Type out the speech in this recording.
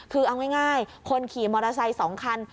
คือเอาง่ายคนขี่มอเตอร์ไซค์๒คัน